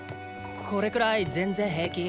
これくらい全然へいき。